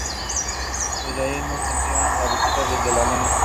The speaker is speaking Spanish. Desde allí nos enviaron la vista desde la Luna.